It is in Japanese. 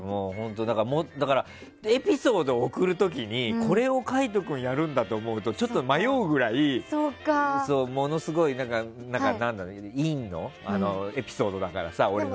だから、エピソードを送る時にこれを海人君がやるんだと思うとちょっと迷うぐらいものすごい陰のエピソードだからさ、俺は。